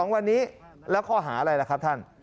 ๒วันนี้แล้วข้อหาอะไรล่ะครับท่าน